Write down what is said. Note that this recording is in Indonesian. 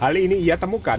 hal ini ia temukan